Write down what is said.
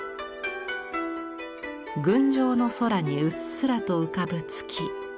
群青の空にうっすらと浮かぶ月。